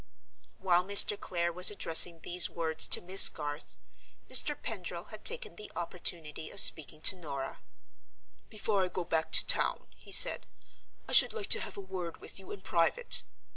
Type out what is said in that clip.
While Mr. Clare was addressing these words to Miss Garth, Mr. Pendril had taken the opportunity of speaking to Norah. "Before I go back to town," he said, "I should like to have a word with you in private.